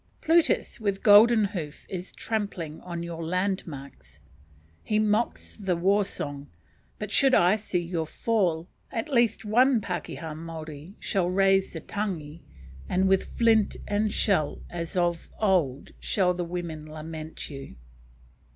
Plutus with golden hoof is trampling on your land marks. He mocks the war song, but should I see your fall, at least one Pakeha Maori shall raise the tangi; and with flint and shell as of old shall the women lament you.